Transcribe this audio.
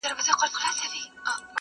ورځ به په خلوت کي د ګناه د حسابو نه وي -